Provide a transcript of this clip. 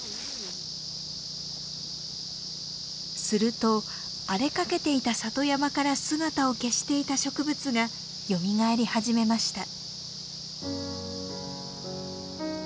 すると荒れかけていた里山から姿を消していた植物がよみがえり始めました。